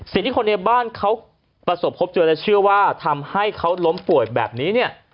สิ่งที่คนในบ้านเขาประสบพบเจอและเชื่อว่าทำให้เขาล้มป่วยแบบนี้เนี่ย